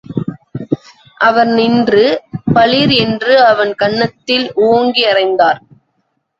அவர் நின்று, பளிர் என்று அவன் கன்னத் தில் ஓங்கி அறைந்தார்.